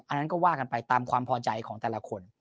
อันนั้นก็ว่ากันไปตามความพอใจของแต่ละคน